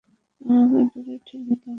আমাকে দূরে ঠেলে দাও।